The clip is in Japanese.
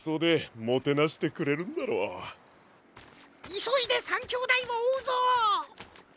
いそいで３きょうだいをおうぞ！